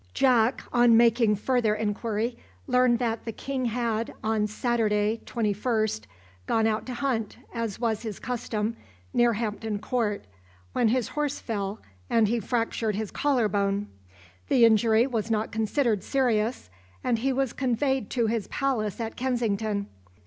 Jack, on making further inquiry, learned that the king had, on Saturday, 21st, gone out to hunt, as was his custom, near Hampton Court, when his horse fell, and he fractured his collar bone. The injury was not considered serious, and he was conveyed to his palace at Kensington.